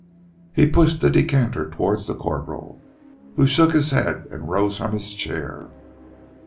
He pushed the decanter towards the corporal, who shook his head, and rose from his chair.